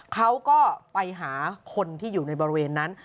เขาก็ไปหาคนที่อยู่ในบริเวณนั้น